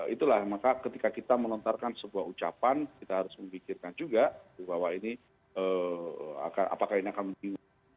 itulah maka ketika kita melontarkan sebuah ucapan kita harus memikirkan juga bahwa ini apakah ini akan menimbulkan